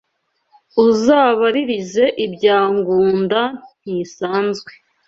Uzabaririze ibya Ngunda ntisazwe